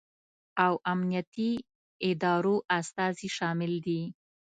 او امنیتي ادارو استازي شامل دي